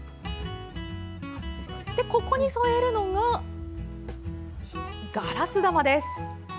ここに添えるのが、ガラス玉です。